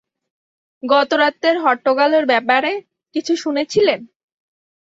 গত রাতের হট্টগোলের ব্যাপারে কিছু শুনেছিলেন?